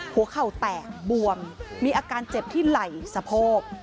หัวเข่าแตกบวมมีอาการเจ็บที่ไหล่สะโพก